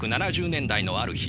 １９７０年代のある日